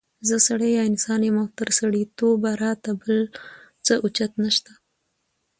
زه سړی یا انسان يم او تر سړیتوبه را ته بل څه اوچت نشته